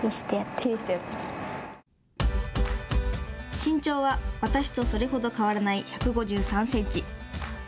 身長は私とそれほど変わらない１５３センチ。